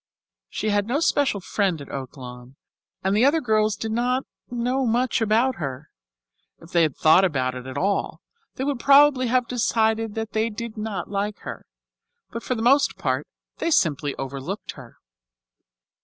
She had no special friend at Oaklawn, and the other girls did not know much about her. If they had thought about it at all, they would probably have decided that they did not like her; but for the most part they simply overlooked her.